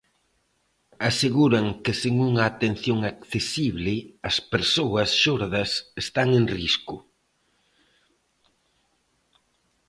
Aseguran que sen unha atención accesible, as persoas xordas están en risco.